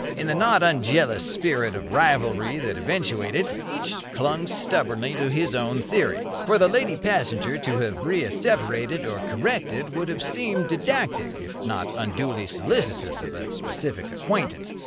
In the not unjealous spirit of rivalry that eventuated, each clung stubbornly to his own theory. For the lady passenger to have reasseverated or corrected would have seemed didactic if not unduly solicitous of a specific acquaintance.